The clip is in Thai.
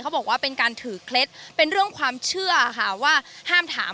บอกว่าเป็นการถือเคล็ดเป็นเรื่องความเชื่อค่ะว่าห้ามถาม